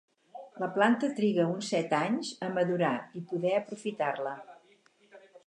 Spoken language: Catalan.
La planta triga uns set anys a madurar i poder aprofitar-la.